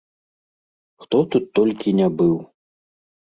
Хто тут толькі не быў!